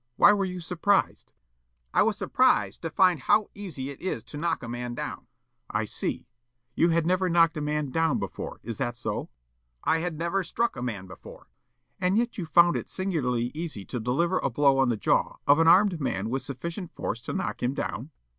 Why were you surprised?" Yollop: "I was surprised to find how easy it is to knock a man down." Counsel. "I see. You had never knocked a man down before. Is that so?" Yollop: "I had never even struck a man before." Counsel: "And yet you found it singularly easy to deliver a blow on the jaw of an armed man with sufficient force to knock him down?"